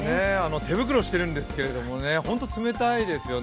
手袋をしているんですけれども本当に冷たいですよね。